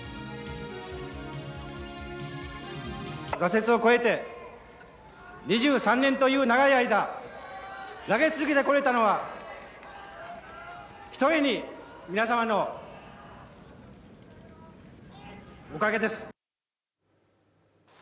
挫折を超えて２３年間という長い間、投げ続けてこれたのはひとえに皆様のおかげです。